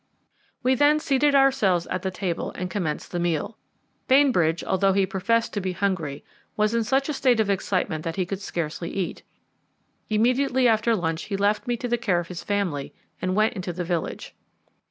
We then seated ourselves at the table and commenced the meal. Bainbridge, although he professed to be hungry, was in such a state of excitement that he could scarcely eat. Immediately after lunch he left me to the care of his family and went into the village.